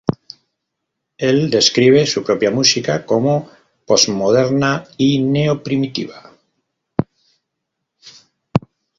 El describe su propia música como "postmoderna y neo-primitiva".